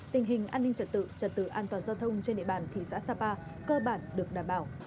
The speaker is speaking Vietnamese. tình hình an ninh trật tự trật tự an toàn giao thông trên địa bàn thị xã sapa cơ bản được đảm bảo